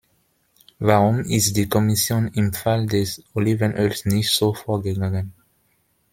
Warum ist die Kommission im Fall des Olivenöls nicht so vorgegangen?